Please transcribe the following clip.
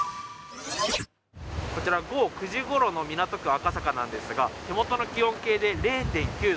こちら、午後９時ごろの港区赤坂なんですが、手元の気温計で０．９度。